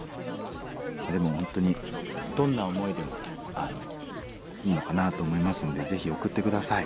でも本当にどんな思いでもいいのかなと思いますのでぜひ送って下さい。